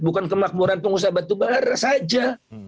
bukan kemakmuran pengusaha batubara saja